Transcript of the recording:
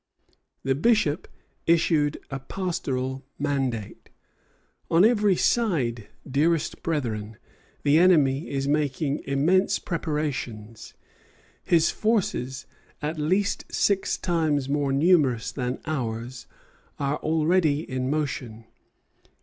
The Bishop issued a pastoral mandate: "On every side, dearest brethren, the enemy is making immense preparations. His forces, at least six times more numerous than ours, are already in motion.